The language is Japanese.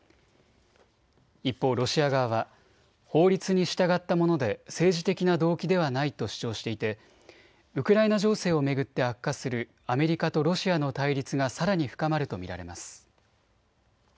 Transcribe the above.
一方、ロシア側は法律に従ったもので政治的な動機ではないと主張していてウクライナ情勢を巡って悪化するアメリカとロシアの対立がさらに深まると見られます。